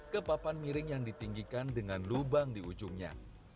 ke papan miring yang ditinggikan dengan lubang di ujungnya